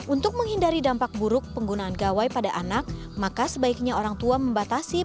untuk menghindari dampak buruk penggunaan gawai pada anak maka sebaiknya orang tua membatasi penggunaan